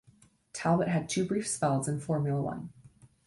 Talbot had two brief spells in Formula One.